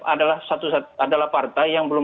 adalah satu adalah partai yang belum